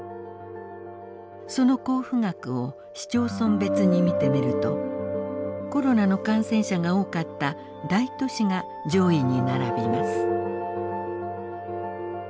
その交付額を市町村別に見てみるとコロナの感染者が多かった大都市が上位に並びます。